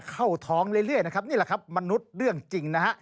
เข้าท้องเรื่อยนะครับนี่แหละครับมนุษย์เรื่องจริงนะฮะ